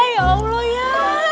ya allah ya